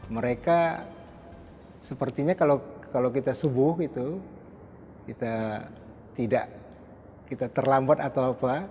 mereka sepertinya kalau kita subuh itu kita tidak kita terlambat atau apa